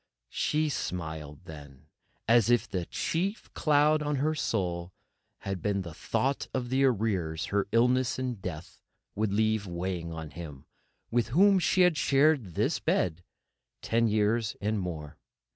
She smiled then, as if the chief cloud on her soul had been the thought of the arrears her illness and death would leave weighing on him with whom she had shared this bed ten years and more.